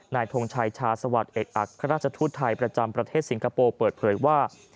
ทงชัยชาสวัสดิ์เอกอัครราชทูตไทยประจำประเทศสิงคโปร์เปิดเผยว่า